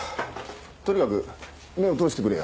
とにかく目を通してくれよ。